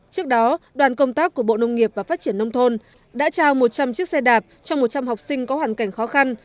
trước đó đoàn công tác của bộ nông nghiệp và phát triển nông thôn đã trao một trăm linh chiếc xe đạp cho một trăm linh học sinh có hoàn cảnh khó khăn